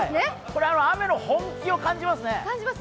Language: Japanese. これ、雨の本気を感じますね。